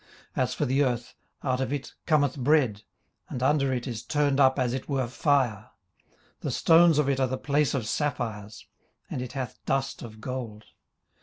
18:028:005 As for the earth, out of it cometh bread: and under it is turned up as it were fire. 18:028:006 The stones of it are the place of sapphires: and it hath dust of gold.